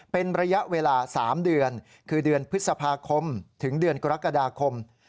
เป็นระยะเวลา๓เดือนคือเดือนพฤษภาคมถึงเดือนกรกฎาคม